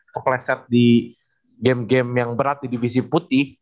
kepleset di game game yang berat di divisi putih